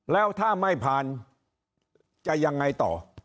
แล้วถ้าไม่ผ่านจะยังไงต่อ